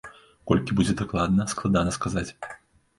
Колькі будзе дакладна, складана сказаць.